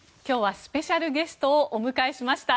スペシャルゲストをお迎えしました。